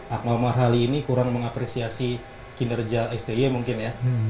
akmal marhali ini kurang mengapresiasi kinerja sti mungkin ya